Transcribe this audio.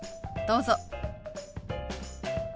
どうぞ。